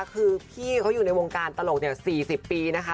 คือพี่เขาอยู่ในวงการตลก๔๐ปีนะคะ